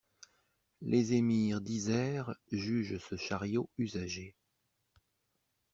Les émirs diserts jugent ce chariot usagé!